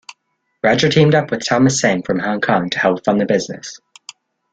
Roger teamed up with Tomas Sang from Hong Kong to help fund the business.